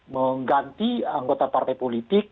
mengganti anggota partai politik